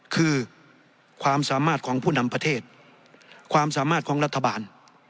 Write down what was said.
คือความสามารถของผู้นำประเทศความสามารถของรัฐบาล